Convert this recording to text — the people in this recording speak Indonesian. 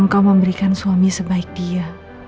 engkau memberikan suami sebaik dia